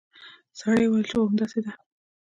سړي وویل چې هو همداسې ده.